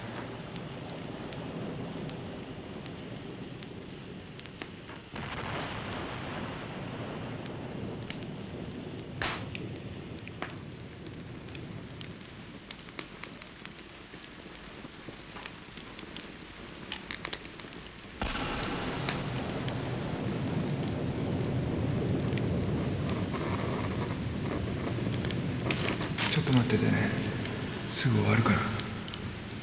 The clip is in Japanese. ちょっと待っててねすぐ終わるから